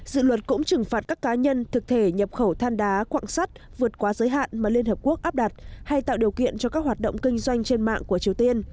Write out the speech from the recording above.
dự luật cũng trừng phạt các cá nhân thực thể nhập khẩu than đá quạng sắt vượt quá giới hạn mà liên hợp quốc áp đặt hay tạo điều kiện cho các hoạt động kinh doanh trên mạng của triều tiên